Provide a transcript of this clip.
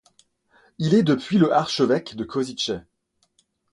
Il est depuis le archevêque de Košice.